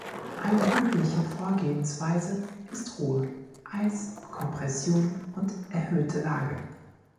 Eine übliche Vorgehensweise ist Ruhe, Eis, Kompression und erhöhte Lage.